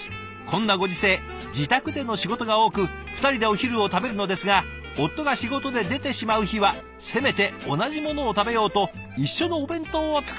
こんなご時世自宅での仕事が多く２人でお昼を食べるのですが夫が仕事で出てしまう日はせめて同じものを食べようと一緒のお弁当を作っています」。